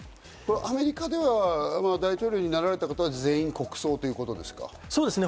アメリカでは大統領になられた方、全員国葬ということですか？